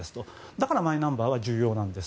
だからマイナンバーは重要です。